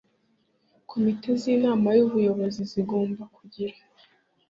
Komite z Inama y ubuyobozi zigomba kugira